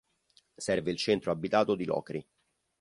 Serve il centro abitato di Locri.